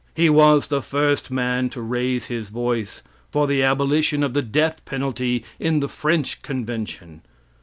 He was the first man to raise his voice for the abolition of the death penalty in the French convention.